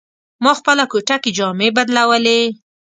ما خپله کوټه کې جامې بدلولې.